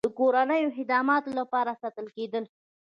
د کورنیو خدماتو لپاره ساتل کېدل.